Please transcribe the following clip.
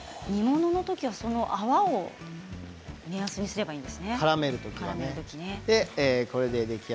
煮物のときは泡を目安にすればいいんですね。